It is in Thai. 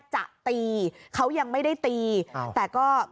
จะตีเขายังไม่ได้ตีแต่ก็